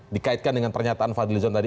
dikaitkan dengan pernyataan fadli lijon tadi